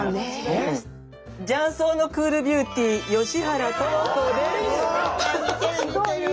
雀荘のクールビューティー吉原智子です。